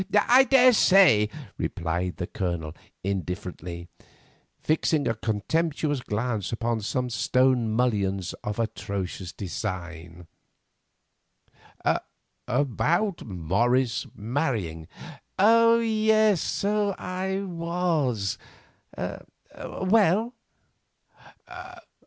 "I daresay," replied the Colonel indifferently, fixing a contemptuous glance upon some stone mullions of atrocious design. "About Morris marrying?" "Oh, yes, so I was! Well?"